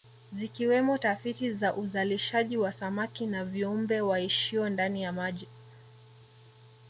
Zikiwemo tafiti za uzalishaji wa samaki na viumbe waishio ndani ya maji